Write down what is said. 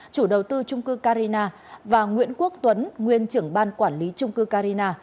chủ đầu tư trung cư carina và nguyễn quốc tuấn nguyên trưởng ban quản lý trung cư carina